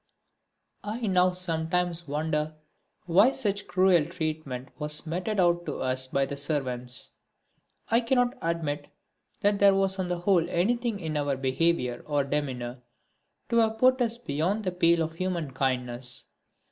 I now sometimes wonder why such cruel treatment was meted out to us by the servants. I cannot admit that there was on the whole anything in our behaviour or demeanour to have put us beyond the pale of human kindness.